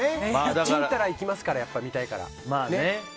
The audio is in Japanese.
ちんたら行きますから見たいから。